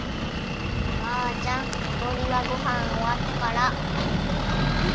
ばあちゃんおどりはごはんおわってから。